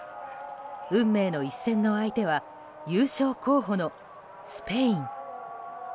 運命の一戦の相手は優勝候補のスペイン。